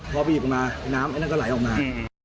พอบีบออกมาน้ำไอ้นั่นก็ไหลออกมา